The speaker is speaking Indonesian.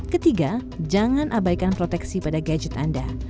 ketiga jangan abaikan proteksi pada gadget anda